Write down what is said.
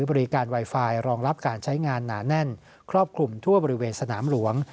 บริการไวไฟรองรับการใช้งานหนาแน่นครอบคลุมทั่วบริเวณสนามหลวง